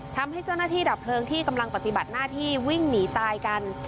ทำให้เจ้าหน้าที่ดับเพลิงที่กำลังปฏิบัติหน้าที่วิ่งหนีตายกัน